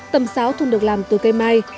tầm sáo thường được làm từ cây mai